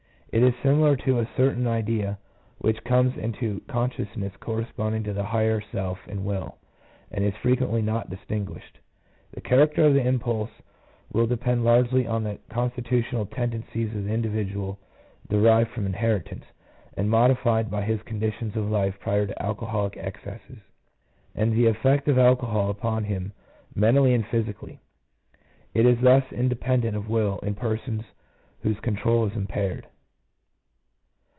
It is similar to a certain idea which comes into consciousness corresponding to the higher self in will, and is frequently not distinguished. The' character of the impulse will depend largely on con stitutional tendencies of the individual derived from inheritance, and modified by his conditions of life prior to alcoholic excesses, and the effect of alcohol upon him mentally and physically; it is thus inde pendent of will in persons whose control is impaired.